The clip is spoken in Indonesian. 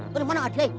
tuh dimana adek